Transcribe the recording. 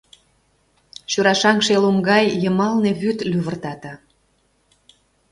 Шӱрашаҥше гай лум йымалне вӱд лювыртата.